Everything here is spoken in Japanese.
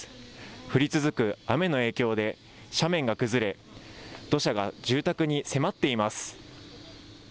降り続く雨の影響で斜面が崩れ土砂が住宅に迫っています。